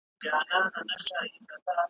آه د لمر کجاوه څه سوه؟ `